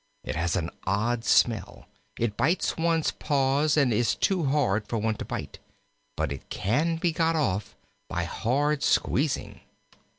It has an odd smell. It bites one's paws and is too hard for one to bite. But it can be got off by hard squeezing."